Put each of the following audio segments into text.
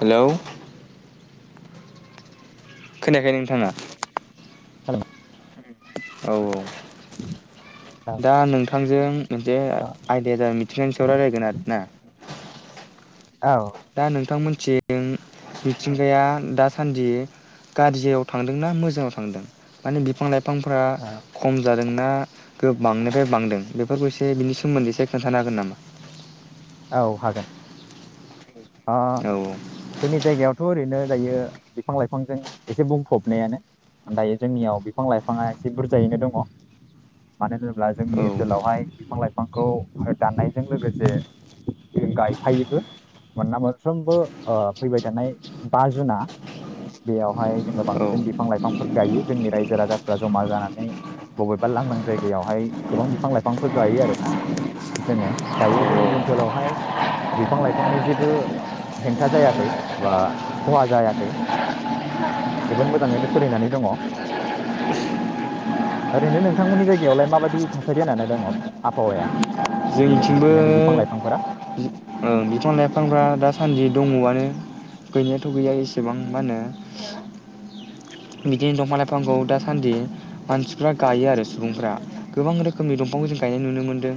Hello खोनायाखै नोंथांआ? Hello औ औ औ दा नोंथांजों मोनसे औ आयदाया मिथिंगानि सायाव रायज्लायगोन आर ना औ दा नोंथांमोन थिं मिथिंगाया दासान्दि गाज्रियाव थांदों ना मोजांङाव थांदों माने बिफां लाइ फांफ्रा औ खम जादों ना गोबां निफाय बांदों बेफोरखौ एसे बिनि सोमोन्दै एसे खोन्थानो हागोन नामा? औ हागोन। अ औ जोंनि जायगायाव खौ ओरैनो दायो बिफां लाइफांजों एसे बुंफबनायानो दायो जोंनियाव बिफां लाइफाङा एसे बुरजायैनो दंङ मानो होनोब्ला जोंनि औ ओनसोलावहाय बिफां लाइफांखौ दाननायजों लोगोसे गायफायोबो मानोना मोनफ्रोमबो ओ फैबाय थानाय बा जुना बेयावहाय जोंङो औ बांसिन बिफां लाइफांफोर गायो जोंनि रायजो राजाफ्रा जमा जानानै बबेबा लांदां जायगायावहाय गोबां बिफां लाइफांफोर गायो आरोना जोंङो दायो जोंनि औ ओनसोलाव सोलावहाय बिफां लाइफांनि जेबो हेंथा जायाखै बा खहा जायाखै जोबोद मोजांङैनो सोलिनानै दंङ ओरैनो नोंथांमोननि जायगायावलाय माबायदि थासारि होननानै दङ आबहावाया? जोंनि थिंबो फां फोरा ओ बिफां लाइफांफ्रा दासान्दि दंङआनो गैनायाथ गैया एसेबां मा होनो बिदिनो दंफां लाइफांखौ दासान्दि मानसिफ्रा गायो आरो सुबुंफ्रा गोबां रोखोमनि दंफांखौ जों गायनाय नुनो मोनदों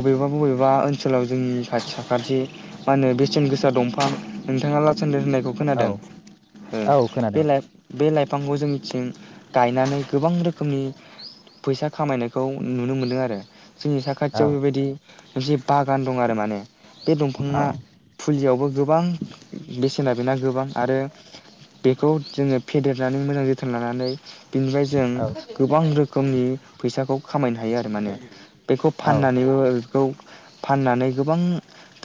बबेबा बबेबा ओनसोलाव जोंनि खाथि खाथि मा होनो बेसेन गोसा दंफां नोंथाङा लाल सानदोन होननाय खौ औ खोनादों औ खोनादों बे लाफ बे लाफ फांखौ जों मिथिं गायनानै गोबां रोखोमनि फैसा खामायनायखौ नुनो मोनदों आरो। जोंनि औ साखाथियाव बेबायदि जे बागान दं आरो माने बे औ दंफाङा फुलियावबो गोबां बेसे सेना गोबां आरो बेखौ जोंङो फेदेरनानै मोजां जोथोन लानानै बेनिफ्राय जों औ गोबां रोख खोमनि फैसाखौ खामायनो हायो आरो माने बेखौ औ फाननानैबो बेखौ फान्नानै गोबां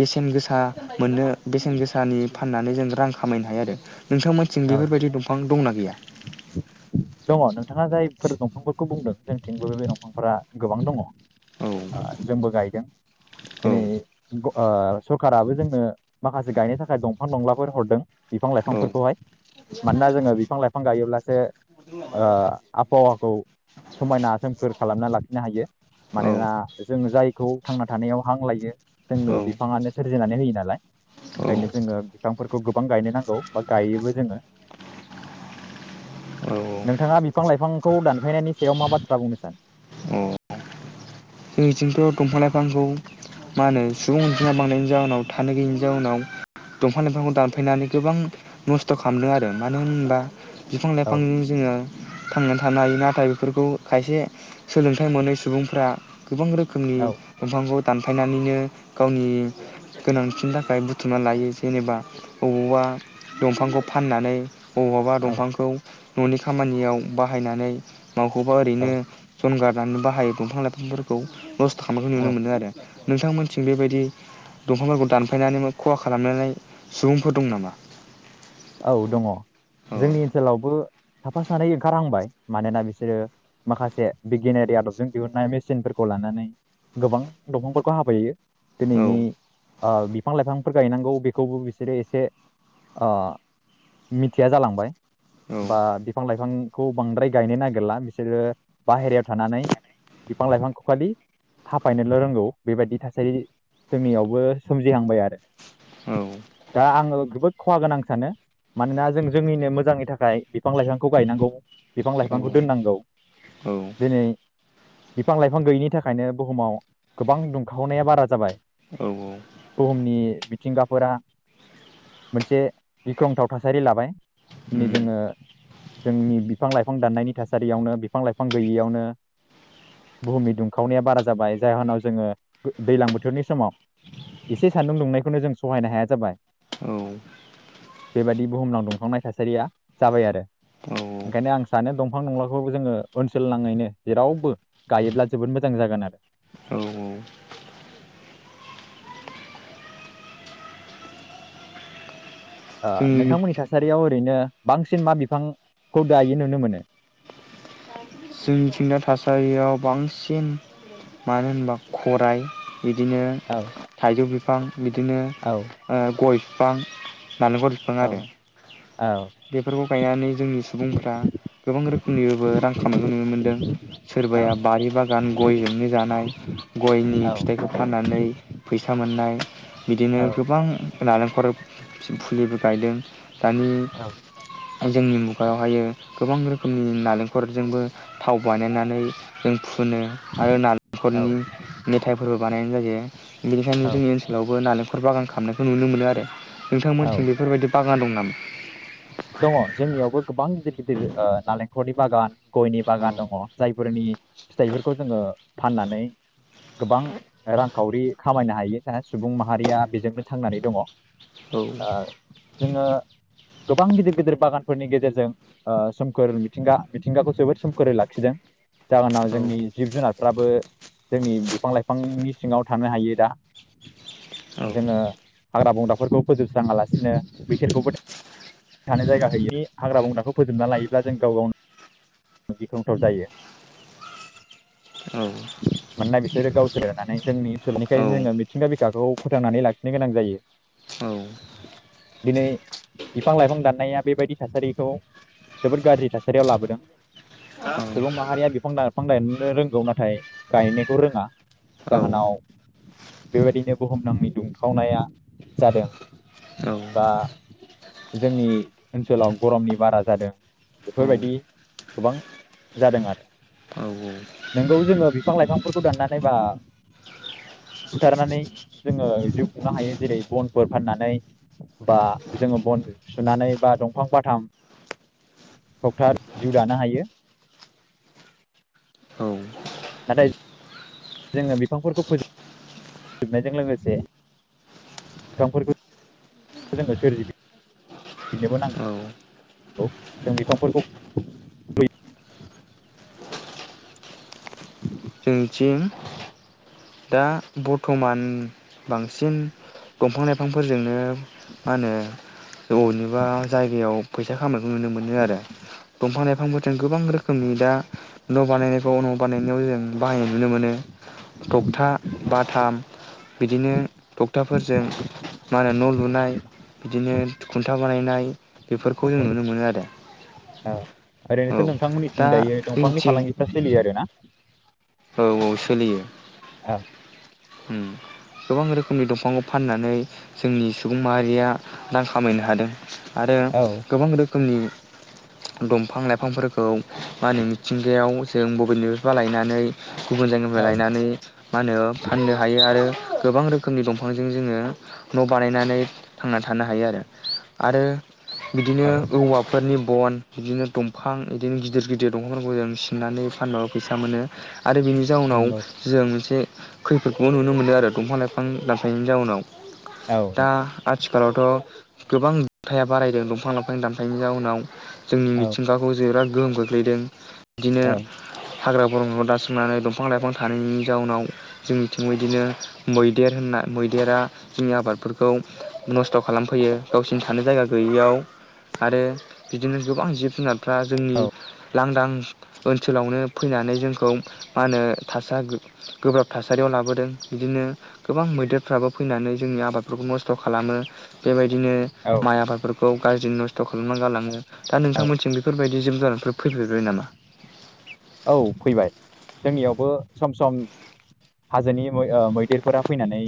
बेसेन गोसा मोन्नो बेसेन गोसानि फान्नानै जों रां खामायनो हायो आरो। नोंथांमोन्थिं नंगौ बेफोरबायदि दंफां दंना गैया? दङ नोंथाङा जायफोर दंफांफोरखौ बुंदों जोंथिंबो बे दंफांफोरा गोबां दङ। औ आ जोंबो गाय दों। औ दिनै ग ओ सरकाराबो जोंनो माखासे गायनो थाखाय दंफां दंलाफोर हरदों बिफां औ लाइफांफोरखौहाय। मानोना जोङो बिफां लाइ बिफां गायोब्लासो ओ आबहावाखौ समायना सोमखोर खालामना लाखिनो हायो। मानोना जों जायखौ थांना थानायाव हां लायो औ जोंनो बिफाङानो सोरजिनानै होयो नालाय औ ओंखायनो जोङो बिफांफोरखौ गोबां गायनो नांगौ बा गायोबो जोङो। औ नोंथाङा बिफां लाइफांखौ दानफायनायनि सायाव मा बाथ्रा बुंनो औ सानो? जोंनिथिंथ दंफां लाइफांखौ मा होनो सुबुं अनजिमा बांनायनि जाउनाव थानो गैयिनि जाउनाव दंफां लाइफांखौ दानफैनानै गोबां नस्थ' खालामदों आरो मानो होनोबा बिफां औ लाइफांजों जोङो थांनानै थानो हायो नाथाय बेफोरखौ खायसे सोलोंथाय मोनै सुबुंफोरा गोबां रोखोमनि औ दंफांखौ दानफायनानैनो गावनि गोनांथिनि थाखाय बुथुमना लायो। जेनेबा बबावबा दंफांखौ फान्नानै बबावबा औ दंफांखौ ननि खामानियाव बाहायनानै माखौबा ओरैनो औ जनगारनानै बाहायो दंफां लाइफांफोर खौ खामनायखौ नुनो औ मोनो आरो। नोंथांमोन्थिं बेबायदि दंफांफोरखौ दानफायनानै मा खहा खालामनानै सुबुंफोर दं नामा? औ दङ। औ जोंनि ओन्सोलावबो साफा सानै ओंखारहांबाय मानोना बिसोरो माखासे बिगियानारि आदबजों दिहुन्नाय मेसिनफोरखौ लानानै गोबां दंफांफोरखौ हाफायो। औ दिनैनि ओ बिफां लाइफांफोर गायनांगौ बेखौबो बिसोरो एसे ओ मिथिया जालांबाय। औ बा बिफां लाइफां खौ बांद्राय गायनो नागिरला बिसोरो बाहेरायाव थानानै बिफां लाइफांखौ खालि हाफायनोल रोंगौ बेबायदि थासारि जोंनियावबो सोमजिहांबाय आरो। औ दा आंङो गोबोद खहा गोनां सानो। मानोना जों जोंनिनो मोजांनि थाखाय बिफां लाइफांखौ गायनांगौ। बिफां औ लाइफांखौ दोन्नांगौ। औ दिनै बिफां लाइफां गैयिनि थाखायनो बुहुमाव गोबां दुंखावनाया बारा जाबाय। औ औ बुहुमनि मिथिंगाफोरा मोनसे गिख्रंथाव थासारि लाबाय दिनै जोङो जोंनि बिफां लाइफां दाननायनि थासारियावनो बिफां लाइफां गैयियावनो बुहुमनि दुंखावनाया बारा जाबाय जायाहोनाव जोङो गो दैलां बोथोरनि समाव एसे सान्दुं दुंनायखौनो जों सहायनो हाया जाबाय औ बेबायदि बुहुमनाव दंफांनाय थासारिया जाबाय आरो औ ओंखायनो आं सानो दंफां दंलाखौ जोङो ओनसोल नाङैनो जेरावबो गायोब्ला जोबोद मोजां जागोन आरो औ ओ जोंनि नोंथांमोननि थासारि बेयाव ओरैनो बांसिन मा बिफांखौ दायो नुनो मोनो? जोंनिथिंना थासारियाव बांसिन मानो होनबा खराय बिदिनो औ थाइजौ बिफ फां बिदिनो औ ओ गय बां नालेनखर बिफां औ आरो औ बेफोरखौ फायानो जोंनि सुबुंफ्रा गोबां रोखोमनिबो रां खामनायखौ नुनो मोन्दों औ सोरबाया बारि बागान गयजोंनो जानाय गयनि फिथाइखौ फाननानै फैसा था मोननाय बिदिनो गोबां नालेंखल फुलिबो गायदों दानि जोंनि मुगायावहाय गोबां रोखोमनि नालेंखल खरजोंबो थाव बानायनानै जों फुनो आरो औ नालेंखरनि मेथाइफोरबो बानायनाय जायो बेनिखायनो औ जोंनि ओनसोलावबो नालेंख खर बागान खालामामनायखौ नुनो मोनो आरो औ नोंथांमोनथिं बेफोरबायदि बाख गान दं नामा? दङ जोंनियावबो गोबां गिदिर गिदिर ओ नालेंखलनि बागान गयनि औ बागान दङ जायफोरनि फिथाइफोरखौ जोङो फाननानै गोबां ओ रांखावरि खामायनो हायो सुबुं माहारिया बेजोंनो थांनानै दङ ओ औ जोङो गोबां गिदिर गिदिर बागानफोरनि गेजेरजों ओ सोमखोर मिथिंगा मिथिंगाखौ जोबोद सोमखोरै लाखिदों जाहोनाव जोंनि जोंनिथिं जिब जुनारफ्राबो जोंनि बिफां लाइफांनि सिङाव थानो हायो दा जोङो हाग्रा बंग्राफोरखौ फोजोबस्राङा लासिनो बिसोरखौबो थानो जायगा हैयिनि हाग्रा बंग्राखौ फोजोबना लायोब्ला जों गाव गावनो गिख्रंथाव जायो मानोना बिसोरो गावसोरनानै जोंनि ओनसोलनिखायनो जोङो मिथिंगा बिखाखौ फोथांनानै लाखिनो गोनां जायो दिनै बिफां लाइफां दाननाया बेबायदि थासारिखौ जोबोद गाज्रि थासारियाव लाबोदों सुबुं माहारिया बिफां लाइफां दाननो रोंगौ नाथाय गायनायखौ रोङा जाहोनाव बेबायदिनो बुहुम नांनि दुंथावनाया जादों बा जोंनि ओनसोलाव गरमनि बारा जादों बेफोरबायदि गोबां जादों आरो नंगौ जोङो बिब बिफां लाइफांफोरखौ दाननानै बा बुथारनानै जोङो जिउ खुंनो हायो जेरै बनफोर फाननानै बा जोङो बन सुनानै बा दंफां फाथाम थगथा जिउ दानो हायो नाथाय जोङो बिफांफोरखौ फो फोजोबनायजों लोगोसे बिफांफोरखौ जो सोरजिनोबो नांगौ जों बिफांफोरखौ जोंनिथिं दा बरथमान बांसिन दफां लाइफांफोरजोंनो मा होनो बनिबा जायगायाव फैसा खामनायखौ नुनो मोनो आरो दफां लाइफांफोरजों गोबां रोखोमनि दा न बानायनाय [unintelligible] न बानायनायाव जों ओम नुनो मोनो थक्था बाथाम बिदिनो थखथाफोरजों मा होनो न लु लुनाय बिदिनो खुन्था बानायनाय बेफोरखौ जों औ नुनो मोनो आरो औ ओरैनोथ' औ दा नोंथांमोननिथिं दायो दंफांनि जोंनिथिं फालांगिफ्रा सोलियो आरो ना? औ औ सोलियो। औ ओम गोबां रोखोमनि दंफांखौ फाननानै जोंनि सुबुं माहारिया रां खामायनो हादों। आरो औ गोबां रोख रोखोमनि दंफां लाइफांफोरखौ मा होनो मिथिंगायाव जों बबेनिफ्रायबा लायनानै गुबुन जायगानिफ्राय औ लायनानै मा होनो हायो आरो गोबां रोखोमनि दंफांजों जोङो न' बानायनानै थांनानै थानो हायो आरो आरो बिदिनो औ औवाफोरनि बन बिदिनो दंफां बिदिनो गिदिर गिदिर दंफांफोरखौ जों सिननानै फानबाबो फैसा मोनो। आरो बेनि जाउनाव नंगौ जों मोनसे खैफोदखौबो नुनो मोनदों आरो दंफां लाइफां दानफनायनि जाउनाव। औ दा नंगौ आथ आथिखालावथ गोबां दु़ंथाया बारायदों दंफां लाइफां दानफायनायनि जाउनाव। जोंनि औ मिथिंगाखौ जिराद गोहोम खख्लैदों। बिदिनो हाग्रा बंग्राखौ दासिमनानै दंफां लाइफां थानायनि जाउनाव जोंनिथिं बिदिनो मैदेर होनना मैदेरा जोंनि आबादफोरखौ नस्थ खालामफैयो गावसिनि थानो जायगा गैयियाव आरो बिदिनो गोबां जिब जुनार दा जोंनि लांदां ओनसोलावनो फैनानै जोंखौ मा होनो थासा गोब्राब थासारियाव लाबोदों बिदिनो गोबां मैदेरफ्राबो फैनानै जोंनि आबादफोरखौ नस्थ खालामो बेबायदि औ बिदिनो माइ आबादफोर खौ गाज्रि नस्थ खालामना गालाङो। दा औ नोंथां मोननिथिं बेफोरबायदि जों गोजानफोर फैफेरबाय नामा। औ फैबाय जोंनियावबो सम सम हाजोनि मै-मैदेरफोरा फैनानै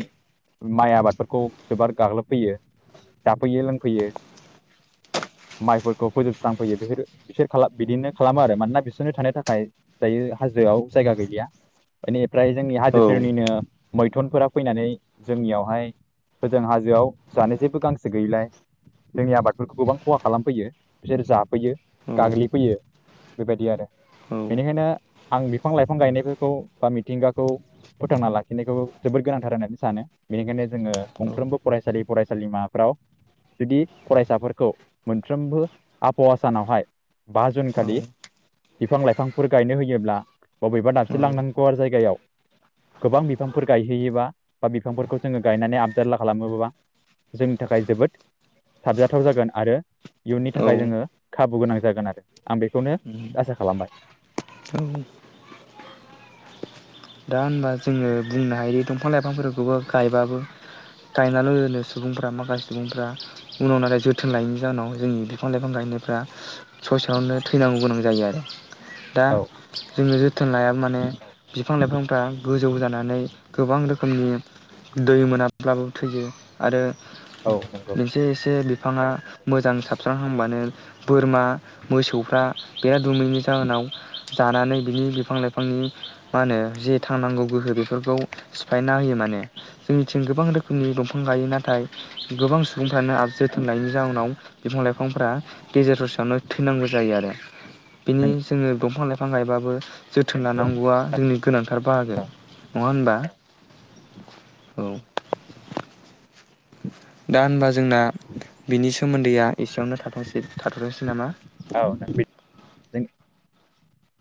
माइ आबादफोरखौ जोबोर गाग्लोबफैयो जाफैयो लोंफैयो। माइफोरखौ फोजोबस्रांफैयो बेफोर बिसोर बिदिनो खालामो आरो मानोना बिसोरनो थानो थाखाय दायो हाजोआव जायगा गैलिया माने ओमफ्राय जोंनि हाजो औ सेरनिनो मैथुनफोरा फैनानै जोंनियावहाय होजों हाजोआव जानो जेबो गांसो गैयैलाय जोंनि आबादफोरखौ गोबां खहा खालामफैयो बिसोर जाब फैयो औ गाग्लिफैयो। बेबायदि आरो औ बेनिखायनो आं बिफां लाइफां गायनायफोरखौ बा मिथिंगाखौ फोथांना लाखिनायखौ जोबोद गोनांथार होननानै सानो बेनिखायनो जोङो गंफ्रोमबो फरायसालि फरायसालिमाफ्राव जुदि फरायसाफोरखौ मोनफ्रोमबो आबहावा सानावहाय बा जुन औ खालि बिफां लाइफांफोर गायनो होयोब्ला बबेबा औ दाबसे लांदां गुवार जायगायाव गोबां बिफांफोर गायहैयोबा बा बिफांफोरखौ जोङो गायनानै आबदाल खालामोबोबा जोंनि थाखाय जोबोद साबजाथाव जागोन आरो इयुननि औ थाखाय जोङो खाबु गोनां जागोन आरो आं बेखौनो आसा खालामबाय औ दा होनबा जोङो बुंनो हायो दंफां लाइफांफोरखौबो गायबाबो गायनानै ल सुबुंफ्रा माखासे सुबुंफ्रा उनाव नाथाय जोथोन लायैनि जाहोनाव जोंनि बिफां लाइफां गायनायफ्रा ससेयावनो थैनांगौ गोनां जायो आरो दा औ जोङो जोथोन लायाबा माने फ्रा गोजौ जानानै गोबां रोखोमनि दै मोनाब्लाबो थैयो आरो औ नंगौ मोनसे एसे बिफाङा मोजां साबस्रांहांबानो बोरमा मोसौफ्रा बिराद दुमैनि जाहोनाव जानानै बिनि बिफां लाइफांनि मा होनो जे थांनांगौ गोहो बेफोरखौ सिफायना होयो माने जोंनिथिं गोबां रोखोमनि दंफां गायो नाथाय गोबां सुबुंफ्रानो आ जोथोन लायिनि जाउनाव बिफां लाइफांफ्रा गेजेर ससेयावनो थैनांगौ जायो आरो बिनि जोङो दंफां लाइफां गायबाबो जोथोन नंगौ लानांगौआ जोंनि गोनांथार बाहागो नङा होना बा औ दा होनबा जोंना बिनि सोमोन्दैया एसेयावनो थाथसै थाथथोंसै नामा औ नों बि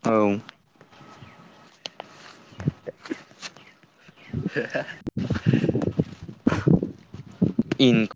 औ [unintelligible] इन